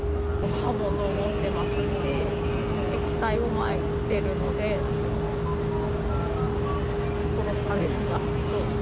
刃物を持ってますし、液体をまいてるので、殺されるなと。